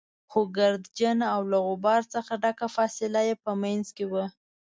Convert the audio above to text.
خو ګردجنه او له غبار څخه ډکه فاصله يې په منځ کې وه.